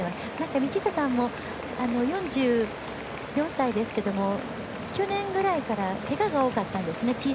道下さんも４４歳ですけど去年くらいから小さなけがが多かったんです。